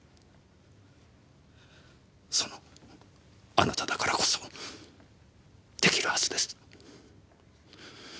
そのあなただからこそできるはずです。